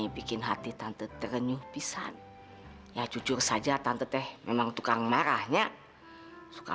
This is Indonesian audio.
bikin hati tante tante terenyuh pisan ya jujur saja tante teh memang tukang marahnya suka